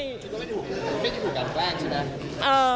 ก็ไม่ถูกกันแปลกใช่ไหม